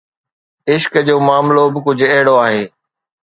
عشق جو معاملو به ڪجهه اهڙو آهي.